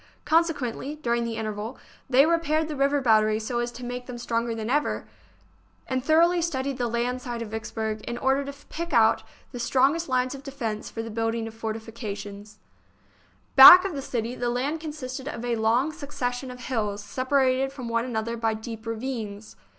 Consequently, during the interval, they re paired the river batteries so as to make them stronger than ever, and thoroughly studied the land side of Vicksburg in order to pick out the strongest lines of defence for the building of for tifications. THE SIEGE OF VICKSBURG Back of the city the land consisted of a long suc cession of hills, separated from one another by deep ravines.